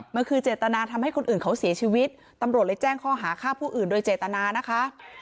มันคือเจตนาทำให้คนอื่นเขาเสียชีวิตตำรวจเลยแจ้งข้อหาฆ่าผู้อื่นโดยเจตนานะคะ